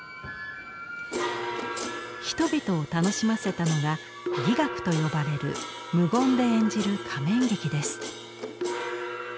人々を楽しませたのが「伎楽」と呼ばれる無言で演じる仮面劇です。